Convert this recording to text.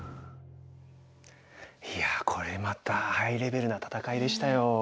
いやこれまたハイレベルな戦いでしたよ。